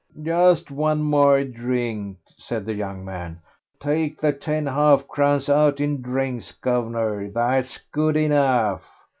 "Just one more drink," said the young man. "Take the ten half crowns out in drinks, guv'nor, that's good enough.